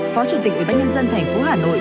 phó chủ tịch ubnd tp hà nội